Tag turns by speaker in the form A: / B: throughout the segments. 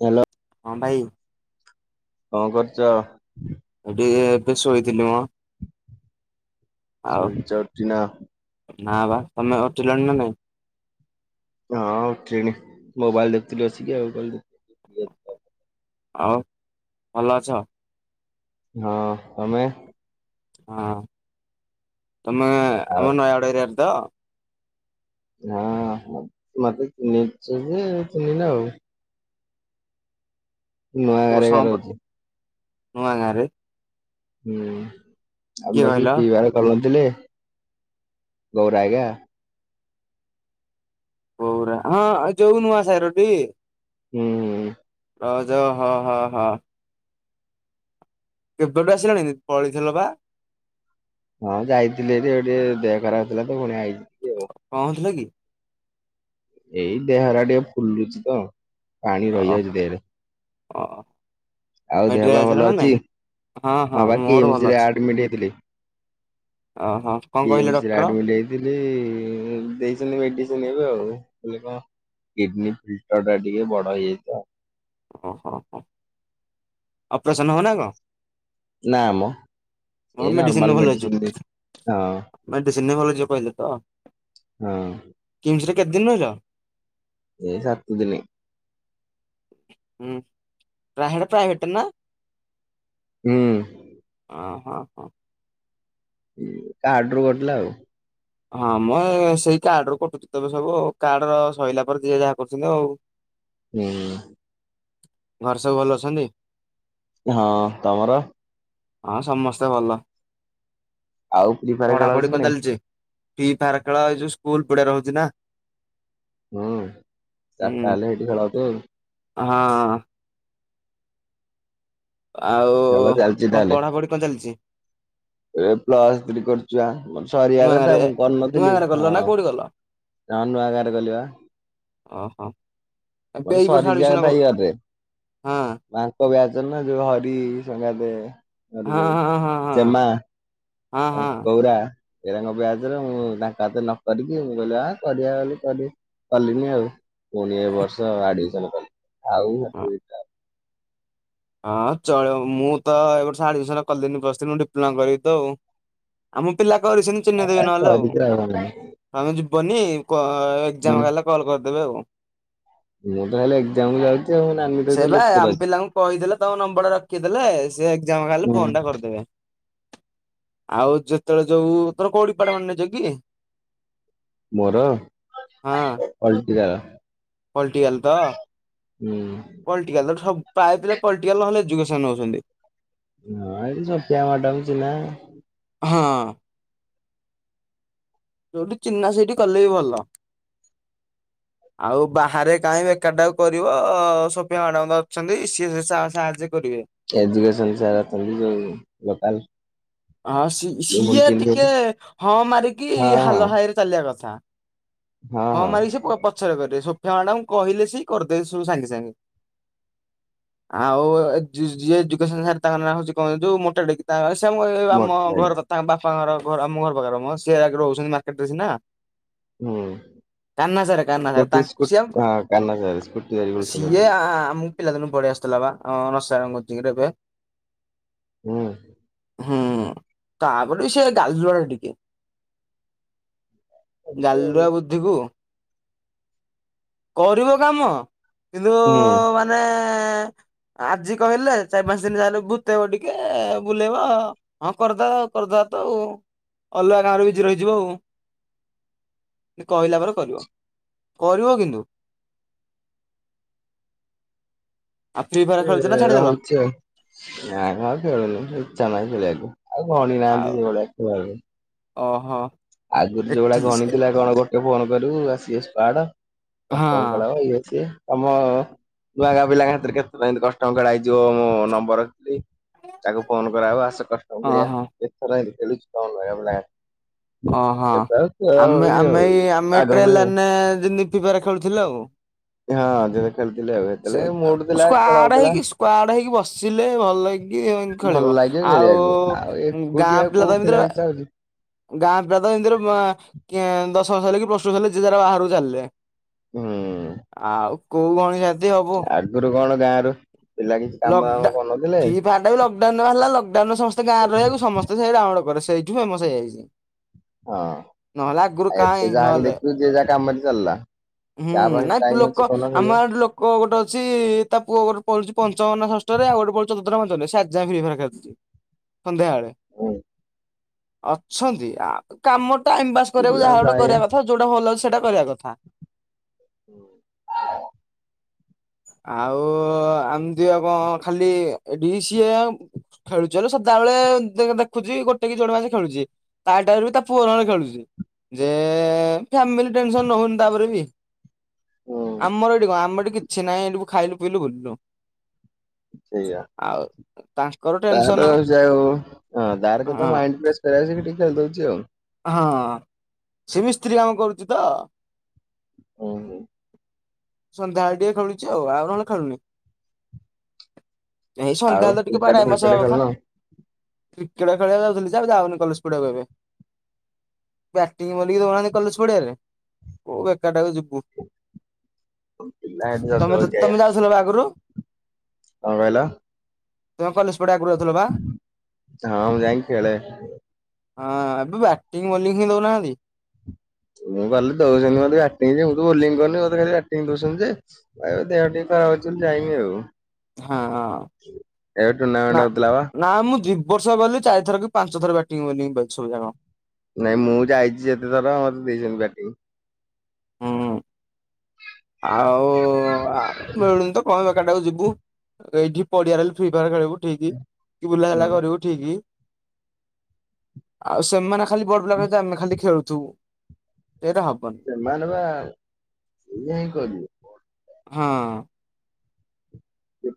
A: Hello
B: ହଁ ଭାଇ
A: କଣ କରୁଚ?
B: ଆଉ ଟିକେ ଏବେ ଶୋଇଥିଲି ମ। ଆଉ
A: ସୋଇଚ ଉଠିନ।
B: ନା ବା ତମେ ଉଠିଲଣି ନା ନାଇଁ
A: ହଁ ଉଠିଲିନି ମୋବାଇଲ ଦେଖୁଥିଲି ବସିକି ଆଉ [unintelligible]
B: ଆଉ ଭଲ ଅଛ
A: ହଁ ତମେ
B: ହଁ ତମେ
A: ଆଉ
B: ଆମ ନୟାଗଡ ଏରିଆର ତ।
A: ହଁ ମତେ ଚିହ୍ନିଛ ଯେ ଚିହ୍ନିଲ ଆଉ।
B: କୋଉ
A: ନୂଆଗାଁ ରେ ଏକା
B: ସମ୍ପ
A: ରହୁଚି।
B: ନୂଆ ଗାଁ ରେ
A: ହୁଁ ଆଉ
B: କହିଲ
A: ବସିକି ପିଇବାରେ କରୁନଥିଲେ। ଗଉରା ଏଗା
B: ଗୌରା ହଁ ଯଉ ନୁଆ ସାହିର ଟି
A: ହୁଁ ହୁଁ।
B: ର ଯ ହଁ ହଁ ହଁ। କେବେଠୁ ଆସିଲଣି ପଳେଇଥିଲ ବା
A: ହଁ ଯାଇଥିଲି ଏଠ ଗ ଟେ ଦେହ ଖରାପ ହେଲା ତ ପୁଣି ଆଇଲି।
B: କଣଥିଲ କି
A: ଏଇ ଦେହରା ଟିକେ ଫୁଲୁଛି ତ ପାଣି ରହିଯାଉଛି ଦେହରେ।
B: ଅ
A: ଆଉ ଦେହ ବା ଭଲ ଅଛି ହଁ ବା
B: ମୋର
A: କିମସ
B: ଭଲ
A: ରେ
B: ଅଛି
A: ଆଡମିଟ ହେଇଥିଲି।
B: ଓହୋ କଣ କହିଲେ
A: କିମସ ରେ
B: ଡକ୍ଟର
A: ଆଡମିଟ ହେଇଥିଲି ଦେଇଛନ୍ତି ମେଡିସିନ ଏବେ ଆଉ ହେଲେ କଣ କିଡନୀ ଫିଲ୍ଟର ଟା ଟିକେ ବଡ ହେଇଯାଇଛି ତ।
B: ଓହୋ ହୋ ଅପରସନ ହଉନା କ
A: ନା ମ।
B: ହଁ
A: ଏଇ ନର୍ମାଲ
B: ମେଡିସିନ ଭଲ
A: ଦେଇଛି। ହଁ
B: ହେଇଯିବ ମେଡିସିନ ଭଲ ହେଇଯିବ ତ କହିଲେ ତ।
A: ହଁ।
B: ରେ କେତେ ଦିନ ରହିଲ?
A: ଏ ସାତଦିନି।
B: ହଁ ପ୍ରାହେ ପ୍ରାଇଭେଟ ନା
A: ହୁଁ
B: ହ ହଁ ହଁ
A: କାର୍ଡ ରୁ କଟିଲା ଆଉ
B: ହଁ ମୋ ସେଇ କାର୍ଡ ରୁ କଟୁଛି ତବେ ସବୁ କାର୍ଡ ର ସଇଲା ପରେ ଯିଏ ଯାହା କରୁଛନ୍ତି ଆଉ
A: ହୁଁ
B: ଘରେ ସବୁ ଭଲ ଅଛନ୍ତି।
A: ହଁ ତମର
B: ହଁ ସମସ୍ତେ ଭଲ
A: ଆଉ ଫ୍ରି ଫାୟାର ଖେଳ ହଉଛି
B: ପଢାପଢି
A: କି
B: କଣ
A: ନାଇଁ
B: ଚାଲିଚି? ଫ୍ରୀ ଫାୟାର ଖେଳ ଏଇଯୋଉ ସ୍କୁଲ ପଡିଆ ହେଉଚି ନାଁ
A: ହୁଁ ଚାର ତାହେଲେ ଏଇଠି ଖେଳ ହେଉଥିବ
B: ହଁ ଆଉ
A: ଖେଳ
B: କଣ ପଢାପଢି କଣ ଚାଲିଛି?
A: ଏ ପ୍ଲସ ଥ୍ରୀ କରୁଛୁ ଆଉ। ସରିବା
B: ନୂଆ
A: କଥା
B: ଗାଁରେ?
A: ମୁଁ
B: ନୂଆ
A: କରିନଥିଲି
B: ଗାଁରେ କଲ
A: ହଁ
B: ନା କୋଉଠି କଲ?
A: ନହେଲେ ନୂଆଗାଁ ଗଲି ବା
B: ଓହୋ ଏବେ
A: ମୋର
B: ଏଇ ବର୍ଷ
A: ସରି ଯିବା
B: ଆଡମିସନ
A: କଥା
B: କଲ
A: ଏଇ ଇୟରେ
B: ହଁ
A: ତାଙ୍କ ବ୍ୟାଚ ରେ ନା ଯୋ ହରି ସଙ୍ଗାତେ
B: ହଁ
A: [unintelligible]
B: ହଁ ହଁ ହଁ।
A: ଚେମା
B: ହଁ
A: ଆଉ
B: ହଁ
A: ଗୌରା ଏରାଙ୍କ ବ୍ୟାଜରେ ମୁଁ ତାଙ୍କ ହତେ ନ କରିକି ମୁଁ କହିଲି କରିବା ବୋଲି କରି କଲିନି ଆଉ ପୁଣି ଏ ବର୍ଷ ଆଡମିସନ କଲି ଆଉଟ
B: ହଁ ଚଳ ମୁଁ ତ ଏ ବର୍ଷ ଆଡମିସନ କଲିନି ମୁଁ ଡିପ୍ଲୋମା କରିବି ତ ଆଉ। ଆମ ପିଲା କରି ସେନି ଚିହ୍ନ ଦେବ ନହେଲେ ଆଉ।
A: କରିକି ନାହିଁ।
B: ଆମେ ଯିବନି କ
A: ହୁଁ
B: ଏକ୍ଜାମ ହେଲେ କଲ୍ କରିଦେବେ ଆଉ।
A: ମୁଁ ତ ହେଲେ ଏକ୍ଜାମ ଯାଉଚି ଆଉ ନାନି ତ ସେଠି ଲେକେଚର ଅଛି।
B: ଦେଲେ ତମ ନମ୍ବର ଟା ରଖିଦେଲେ ସେ ଏକ୍ଜାମ୍ ଖାଲି
A: ହୁଁ
B: ଫୋନ ଟା କରିଦେବେ। ଆଉ ଯେତେବେଳେ ଯଉ ତୋର କୋଉ ଡିପାଟତ୍ମେଣ୍ଟ ନେଇଚ କି?
A: ମୋର ପଲଟିକାଲ
B: ପଲଟିିକାଲ ତ?
A: ହୁଁ।
B: ପଲଟିକାଲ ସବୁ ପ୍ରାୟ ପିଲା ପଲଟିକାଲ ନହେଲେ ଏଜୁକେସନ ନଉଛନ୍ତି।
A: ହଁ ଏଇ ସତ୍ୟ ମ୍ୟାଡମ ଚିନାହା
B: ହଁ ଯୋଉଠି ଚିହ୍ନା ସେଇଠି କଲେ ବି ଭଲ।
A: [inaudible]
B: ଆଉ ବାହାରେ କାହିଁବା ଏକାଟାକୁ କରିବ ସୋଫିଆ ମ୍ୟାଡାମ ତ ଅଛନ୍ତି ସିଏ ସା ସାହାଯ୍ୟ କରିବେ।
A: ଏଜୁକେସନ ସାରା କଲି ଯୋଉ ଲୋକାଲ
B: ହଁ ସି
A: ଇଏ ପୁଣି
B: ସିଏ ଟିକେ
A: ଚିହ୍ନିଛନ୍ତି।
B: ହଁ ମାରିକି
A: ହଁ ହଁ
B: ହାଲ ହାଇରେ ଚାଲିବା କଥା। ହଁ ମାରିକି ସେ ପ ପଛରେ କରିବେ ସ ମ୍ୟାଡାମ୍ କହିଲେ ସି କରିଦେବେ ସବୁ ସାଙ୍ଗେ ସାଙ୍ଗେ। ଆଉ ଜି ଯିଏ ଯୁଗେ ସାରେ ତାଙ୍କ ହଉଚି ନା କ ହୋ ଉଚି ମୋଟାଟେ ତା ସ ଏ
A: ମୋଟ
B: ଆମ
A: ଭାଇ
B: ଘର କଥା ବାପାଙ୍କର ଘର ଆମ ଘର ପାଖରେ ସେ ରହୁଛନ୍ତି ମାର୍କେଟରେ ସିନା
A: ହୁଁ
B: କାହ୍ନା ସାର୍ କାହ୍ନା ସାର୍
A: ଗୋଟେ ସ୍କୁ
B: ତାଙ୍କୁ ସିଏ
A: କାହ୍ନା ସାର୍ ସ୍କୁଟି ଗାଡି ବୁଲୁଛନ୍ତି
B: ସିଏ ଆମ ପିଲାଦିନୁ ପଢି ଆସିଥିଲା ବା ଆମ ସାରା କୋଚିଙ୍ଗିରେ ଏବେ
A: ହୁଁ
B: ହୁଁ ତାପରେ ବି ସେ ଗାଲୁଆ ଟିକେ
A: ଏମିତି ଆଉ।
B: ଗାଲୁଆ ବୁଦ୍ଧିକୁ କରିବ କାମ କିନ୍ତୁ
A: ହୁଁ
B: ମାନେ ଆଜି କହିଲେ ଚାରି ପାଞ୍ଚ ଦିନ ଯାହେଲେ ଭୂତେଇବ ଟିକେ ବୁଲେଇବ ହଁ କରିଦେଅ କରିଦେବା ତ ଆଉ ଅଲଗା ଗାଁରେ ବିଜି ରହିଯିବ ଆଉ କହିଲା ପରେ କରିବ କରିବ କିନ୍ତୁ। ଆଉ ଫ୍ରି ଫାୟାର ଖେଳୁଛ ନା ଛାଡିଦେଲ
A: [inaudible] ଆଉ ଗଣି ନାହାନ୍ତି
B: ଆଉ
A: ସେଭଳିଆ
B: ଓହୋ।
A: ଆଗରୁ ଯୋଉଭଳିଆ
B: ଏଠି
A: ଗଣି ଥିଲା କଣ ଗୋଟେ ଫୋନ କରିବୁ ଆସିବେ ସ୍କୁଆଡ।
B: ହଁ
A: [inaudible] ତମ ନୂଆ ଗା ପିଲାଙ୍କରେ କେତେ କଷ୍ଟମ [unintelligible] ତାକୁ ଫୋନ କରାହବ ଆସ କଷ୍ଟମ
B: ଓହୋ
A: ଖେଳିବା [unintelligible]
B: ଓ ହଁ
A: ଏବେ ଆଉ ଖେଳ
B: ଆମେ
A: ହଉନି ଆଉ।
B: ଆମେ ଏଇ ଆମେ
A: ଆଗ ଭଳିଆ ଆଉ
B: ଟ୍ରେଲାରେ ଯେମତି ଫ୍ରି ପାୟାର ଖେଳୁଥିଲୁ ଆଉ
A: ହଁ ଯେବେ ଖେଳୁଥିଲେ ଆଉ
B: [unintelligible]
A: ସେତେବେଳେ ମୁଡ ଥିଲା ଖେଳ
B: ସ୍କ୍ୱାଡ
A: ହଉଥିଲା।
B: ସ୍କୁଡେ ହେଇକି ବସିଲେ ଭଲ ଲା
A: ଭଲ
B: ଖେଳିବ
A: ଲାଗିବ ଖେଳିବାକୁ
B: ଆଉ ଗାଁ
A: ଏକୁଟିଆ କୋଉ
B: ପିଲା ତ
A: ଖେଳିବାକୁ
B: ଏମିତିରେ
A: ଇଚ୍ଛା ହଉଛି।
B: ଗାଁ ପିଲା ତ ଏମିତିର [unintelligible]
A: ହୁଁ।
B: କୋଉ ଗଣି
A: ଆଗରୁ କଣ ଗାଁ
B: ଲକ୍ଡାଉ ଫ୍ରି ଫାୟାର ଟା ବି ଲକ୍ଡାଉନ ହେଲା ସମସ୍ତେ ଗାଁ ରହିବାକୁ ସମସ୍ତେ ସେଇଡ ଆରେ ସେଇଠୁ ଫେମସ ହେଇଯାଇଛି।
A: ହଁ
B: ନହେଲେ ଆଗରୁ
A: ଏବେ
B: କାଇଁ
A: ଯାହାକୁ
B: ନହେଲେ
A: ଦେଖିବୁ ଯିଏ ଯାହା କାମରେ ଚାଲିଲା।
B: ହୁଁ
A: କାହା ପାଖରେ
B: ନାଇଁ
A: ଟାଇମ ଅଛି
B: ଲୋକ
A: କହୁନ ଖେଳିବ
B: ଆମ ଲୋକ ଗୋଟେ ଅଛି ତା ପୁଅ ଗୋଟେ ପଡୁଛି ପଞ୍ଚମ ନା ଷଷ୍ଠ। ଷଷ୍ଠରେ ଆଉ ଗୋଟେ ପଢୁଛି ସିଏ ଆଜି ଯାଏଁ ଫ୍ରି ଫାୟାର ଖେଳୁଚି।
A: ହୁଁ
B: ଅଛନ୍ତି ଆଉ କାମ ଟାଇମ ପାସ୍ କରିବାକୁ
A: ପିଲା
B: ଯାହା ଗୋଟେ
A: ପ୍ରାୟ
B: କରିବା କଥା ଯୋଉଟା ଭଲ ଲାଗୁଚି ସେଇଟା ସେଟା କରିବା କଥା।
A: [inaudible]
B: ଆଉ ଏମତି ଆଉ କଣ ଖାଲି ଏଠି ସିଏ ଖେଳୁଛ ସଦା ବେଳେ ଦେଖୁଛି ଗୋଟେ କି ଯୋଡ ମାେ ଖେଳୁଛି ତା ଟାଇ ବି ତା ପୁଅରରେ ଖେଳୁଛି। ଯେ ଫ୍ୟାମିଲି ଟେନସନ ନଉନି ତାପରେ ବି
A: ହୁଁ
B: ଆମର ଏଠି କଣ ଆମ ଏଠି କିଛି ନାହିଁ ଏଠିକୁ ଖାଇଲୁ ପିଇଲୁ ଭୁଲିଲୁ।
A: ସେଇଆ।
B: ଟେନସନ
A: ତାର ଯାଇ ହଁ ତାର କେଥା
B: ହଁ
A: ମାଇଣ୍ଡ ଫ୍ରେଶ କର ଦଉଛି ଆଉ।
B: ହଁ ସେ ମିସ୍ତ୍ରୀ କାମ କରୁଛି ତ
A: ଓହୋ।
B: ସନ୍ଧ୍ୟାବେଳେ ଟିକେ ଖେଳୁଛି ଆଉ ଆଉ ନହେଲେ ଖେଳୁନି। ଏଇ
A: ଆଉ
B: ସନ୍ଧ୍ୟାବେଳେ ତ ଟିକେ [unintelligible]
A: କ୍ରିକେଟ ଫ୍ରିକେଟ
B: କଥା
A: ଖେଳୁନ
B: କ୍ରିକେଟ ଖେଳକୁ ଯାଉଥିଲି ଯେ ଆଉ ଯାଉନି କଲେଜ ବ୍ୟାଟିଂ କରିବାକୁ ଦୋଉ ନାହାନ୍ତି କଲେଜ ପଡ଼ିଆରେ କାଇଁ ଖାଲିଟାରେ ଯିବୁ
A: ପିଲା ହେଠି
B: ତମେ
A: ଜଗିବାକୁ ଠିଆ
B: ତମେ
A: ହେଇଛନ୍ତି
B: ଯାଉଥିଲ ବା ଆଗରୁ?
A: କଣ କହିଲ?
B: ତୁମେ କଲେଜ ପଟେ ଆଗରୁ ଯାଉଥିଲ ବା
A: ହଁ ମୁଁ ଯାଇଁକି ଖେଳେ।
B: ହଁ ଏବେ ବ୍ୟାଟିଂ ବୋଲିଂ ହିଁ ଦଉନାହାନ୍ତି।
A: ମୁଁ କହିଲି ଦଉଛନ୍ତି ମତେ ବଟିଂ ମୁଁ ତ ବୋଲି କରିନି ମୋତେ ଖାଲି ବ୍ୟାଟିଂ ଦଉଛନ୍ତି ଯେ ଦେହ ଟିକେ ଖରାପ ଅଛି ବୋଲି ଯାଇନି ଆଉ।
B: ହଁ
A: ଏବେ ଟୁର୍ଣ୍ଣାମେଣ୍ଟ
B: ନା
A: ହଉଥିଲା ବା
B: ନା ମୁଁ ଯି ବର୍ଷ ହବ ବୋଲି ଚାରିଥର କି ପାଞ୍ଚ ଥର ବ୍ୟାଟିଂ ବୋଲିଙ୍ଗ କରିଚି ସମୁଦାୟ।
A: ନାଇଁ ମୁଁ ଯାଇଛି ଯେତେଥର ମତେ ଦେଇଛନ୍ତି ବ୍ୟାଟିଂ।
B: ହୁଁ। ଆଉ ମିଳୁନି ତ କଣ କାଟାକୁ ଯିବୁ ଏଇଠି ପଡିଆ ଫ୍ରି ଫାୟାର ଖେଳିବୁ ଠିକ କି
A: ହୁଁ
B: ବୁଲାବୁଲା କରିବୁ ଠିକ। ଆଉ ସେମାନେ ଖାଲି ବଡ ପିଲା ଆମେ ଖାଲି ଖେଳୁଛୁ।
A: ସେମାନେ ବା ସେଇଆ ହିଁ କରିବେ।
B: ହଁ।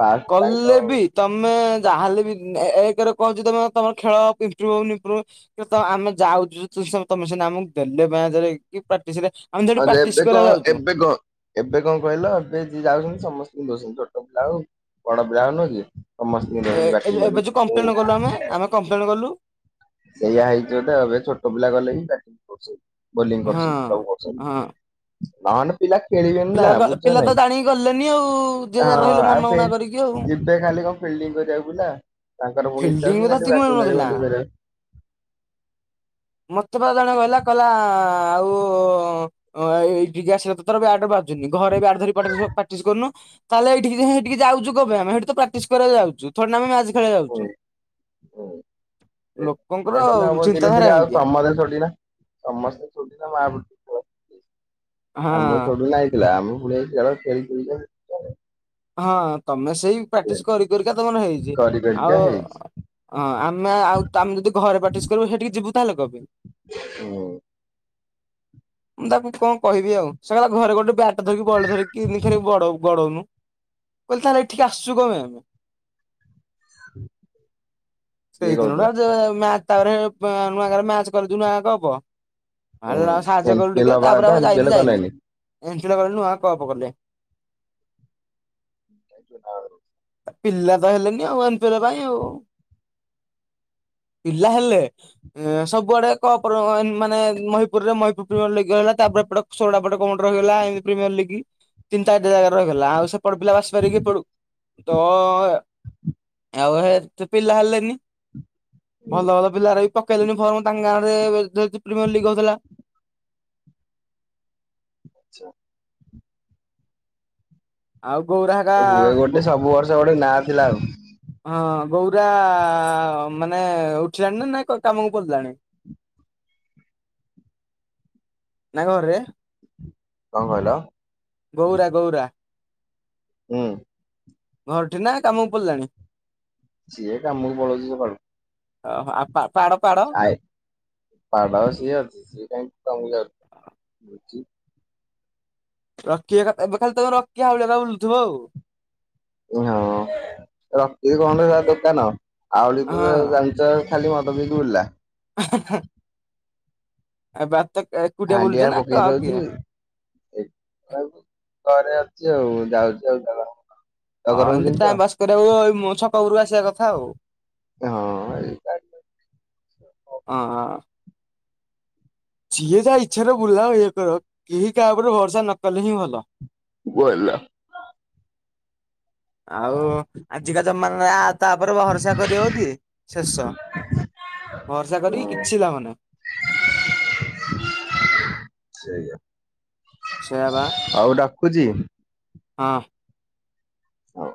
A: ଫାଷ୍ଟ ତାଙ୍କ
B: କଲେ ବି
A: ହଁ
B: ତମେ ଯାହାହେଲେ ବି ଏ ଏ ଏକେରେ କୋହୁଚି ତମେ ତମର ଖେଳ ଇମ୍ପୃଭ୍ ହେଉନି ଇମ୍ପୃଭ୍ କିରେ ତ ଆମେ ଯାଉଚୁ [unintelligible] ତମେ ସିନା ଆମକୁ ଦେଲେ [unintelligible] କି ପ୍ରାକ୍ଟିସରେ ଆମେ
A: ଆ
B: ସେଠି ପ୍ରାକ୍ଟିସ
A: ଏବେ
B: କରିବାକୁ
A: କଣ
B: ଯାଉଛୁ
A: ଏବେ କଣ ଏବେ କଣ କହିଲ ଏବେ ଯିଏ ଯାଉଚନ୍ତି ସମସ୍ତଙ୍କୁ ଦୋଉଚନ୍ତି ଛୋଟ ପିଲା ହୋଇ ବଡ଼ ପିଲା ହୋଉ ନୁହଁ କି ସମସ୍ତିଙ୍କି
B: ଏ
A: ଦୋଉଚନ୍ତି ଲାଠିଙ୍କ
B: ଏବେ ଯୋଉ କମ୍ପ୍ଲେନ କଲୁ ଆମେ
A: ବାଡ଼ି।
B: ଆମେ କମ୍ପ୍ଲେନ କଲୁ
A: ସେଇୟା ହେଇଚି ବଧେ ଏବେ ଛୋଟ ପିଲା ଗଲେ ବି ବ୍ୟାଟିଙ୍ଗ କରୁଚି। ବୋଲିଂ
B: ହଁ
A: କରୁଚନ୍ତି ସବୁ
B: ହଁ
A: କରୁଚନ୍ତି ନହେଲେ ପିଲା ଖେଳିବେନି ନା
B: ପିଲା
A: ବୁଝ
B: ପିଲା ତ
A: ନାଇଁ
B: ଜାଣିକି ଗଲେନି ଆଉ ଯିଏ
A: ହଁ
B: ଯା ରହିଲେ
A: ଆଉ
B: ମନଉଣା କରିକି ଆଉ
A: ଯିବେ ଖାଲି କଣ କରିବାକୁ ପିଲା ତାଙ୍କର ପୁଣି ଇଚ୍ଛା
B: ଫିଲ୍ଡିଂ ବି
A: ଅହା
B: ତ ସେତିକି
A: ବ୍ୟାଟିଂ
B: ମିଳୁନଥିଲା।
A: କରିବାକୁ
B: ମତେ ବା ଜଣେ କହିଲା କହିଲ ଆଉ ଏ ଏଇଠିକି ଆସିଲ ତ ତାର ବ୍ୟାଟ ଜୁନି ଘରେ ଆ ବ୍ୟାଟ୍ ଧରି ପ୍ରାଟେସ ପ୍ରାକ୍ଟିସ କରୁନୁ। ତାହେଲେ ଏଇଠି ସେଠିକି ଯାଉଚୁ କଣ ପାଇଁ ଆମେ ହେଠି ତ ପ୍ରାକ୍ଟିସ କରିବାକୁ ଯାଉଚୁ ଥୋଡ଼ିନା ଆମେ ମ୍ୟାଚ୍ ଖେଳିବାକୁ ଯାଉ ଉଚୁ।
A: ହେ ଖେଳିଲେ ହବ ଧୀରେ
B: ଚିନ୍ତାଧାରା
A: ଧୀରେ ଆଉ
B: ଏମିତିଆ
A: ତମର ଥୋଡ଼ିନା ସମସ୍ତେ ଛୁଟି [unintelligible]
B: ହଁ
A: ଆମ ଛୋଟୁ ନାଇଁଥିଲା ଆମକୁ ପୁଣି
B: ହଁ ତମେ ସେଇ ପ୍ରାକ୍ଟିସ କରି କରି କରିକା ତମର ହେଇଚି
A: କରି କରିକା
B: ଆଉ
A: ହେଇଛି
B: ହଁ ଆମେ ଆଉ ଆମେ ଯଦି ଘରେ ପାଟିସ କରିବୁ ସେଠିକ ଯିବୁ ତାହେଲେ କଣ ପାଇଁ?
A: ହୁଁ।
B: ମୁଁ ତାକୁ କଣ କହିବି ଆଉ ସେ ଘରେ ଗୋଟେ ବ୍ୟାଟ ଧରିକି ବଡ ଧରିକି ନିି ଖ ଗଢଉନୁ। କହିଲେ ତାହେଲେ ଏଠିକେ ଆସୁଚୁ କଣପାଇଁ ଆମେ?
A: କିଏ
B: ସେଇଦିନ
A: କହୁଥିଲା
B: ତାପରେ ନୂଆ ଗାଁ ରେ ମ୍ୟାଚ୍ କଲେ
A: ହୁଁ
B: [unintelligible] କାର୍ଯ୍ୟ
A: ଏଲ୍
B: କରିଲୁ
A: ପି ଏଲ୍
B: ଟିକେ
A: ହବା
B: ତାପରେ
A: କଥା
B: ଆଉ
A: ଏଲ୍ ପି
B: ଯାଇନି
A: ଏଲ୍
B: ଯାଇନି।
A: କଲେନି।
B: [unintelligible] ନୂଆ କପ କଲେ।
A: [unintelligible]
B: ପିଲା ତ ହେଲେନି ଆଉ ଆଣିପା ପାଇଁ ଆଉ। ପିଲା ହେଲେ ସବୁଆଡେ କ ମାନେ ମହିପୁରରେ ମହିପ ସୁପ୍ରିମିୟର ଲିଗ ତାପରେ ଏପଟେ ସୋଳା ପେଟେ କମିଟି ରହିଗଲା ଏମିତି ପ୍ରିମୀୟର ଲିଗି। ତିନି ଚାରି ଜାଗାରେ ରହିଗଲା ଆଉ ସେପଟ ପିଲା ଆସିପାରିବେ କି ଏପଟକୁ ତ ଆଉତ ପିଲା ହେଲେନି। ଭଲ ଭଲ ପିଲାର ବି ପକେଇଲେଣିି ଫର୍ମ ତାଙ୍କ ଗାଁରେ ପ୍ରିମିୟ ଲିଗ୍ ହୋଉଥିଲା।
A: ଆଛା।
B: ଆଉ। ଗୌରା
A: ହୁଏ
B: ହେକା
A: ଗୋଟେ ସବୁ ବର୍ଷ ଗୋଟେ ନାଁ ଥିଲା ଆଉ।
B: ହଁ ଗୌରା ମାନେ ଉଠିଲାଣି ନା ନା କାମକୁ ଗଲାଣି? ନା ଘରେ
A: କଣ କହିଲ?
B: ଗୌରା ଗୌରା
A: ହୁଁ।
B: ଘରଠି ନା କାମକୁ ପଳେଇଲାଣି?
A: ସିଏ କାମକୁ ପଳୋଉଚି ସକାଳୁ।
B: ଅହ ଆ ପା ପାଡ଼ ପାଡ଼
A: ଆଏ [unintelligible] ସିଏ କାଇଁ ତମକୁ ଧ ବୁଝି
B: ରକି କଥା ଏବେ ଖାଲି ତମେ ରକି ହାଉଳି ବୁଲୁଥିବ ଆଉ।
A: ହଁ ରଖଚି କଣ ଦୋକାନ ଆଉଳି ତ
B: ହଁ
A: ଜାଣିଚ ଖାଲି ମଦ ପିଇକି ବୁଲିଲା।
B: [inaudible] ଆପ
A: ହାଣ୍ଡିଆ ପକେଇ ଦଉଚି [unintelligible] ଘରେ ଅଛି ଆଉ ଯାଉଚି ଆଉ [unintelligible]
B: ହଁ
A: ଟଗରଙ୍କୁ
B: ଏମତି
A: ଚିହ୍ନିଛ?
B: ଟାଇମ୍ ପାସ୍ କରିବାକୁ ଛକ କୁ ପଳେଇ ଚିଆ କଥା ଆଉ
A: ହଁ ଏଇ
B: ହଁ। ସିଏ ତା ଇଚ୍ଛାରେ ବୁଲା ଇଏ କର କେହି କାହା ଉପରେ ଭରସା ନକଲେ ହିଁ ଭଲ।
A: [unintelligible]
B: ଆଉ ଆଜିକା ଜମାନା ଆତାପରେ ଭରସା କରି ହେଉଛି ଶେଷ। ଭରସା କରିକି
A: ହଁ
B: କିଛି ଲାଭ ନାହିଁ।
A: [inaudible] ସେଇଆ।
B: ସେଇଆ ବା।
A: ଖୁଜି
B: ହଁ।
A: ହଉ।